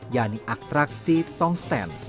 yakni atraksi tongsten